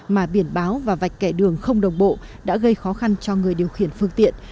mà biển báo và vạch kẻ đường không đồng bộ đã gây khó khăn cho người điều khiển phương tiện